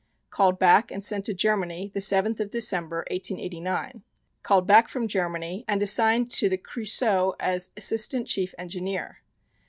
Called back and sent to Germany the 7th of December, 1889. Called back from Germany and assigned to the Creusot as Assistant Chief Engineer.